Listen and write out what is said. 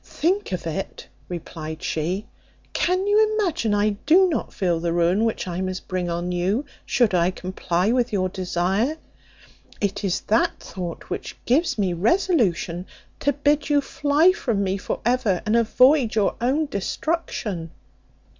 "Think of it!" replied she: "can you imagine I do not feel the ruin which I must bring on you, should I comply with your desire? It is that thought which gives me resolution to bid you fly from me for ever, and avoid your own destruction."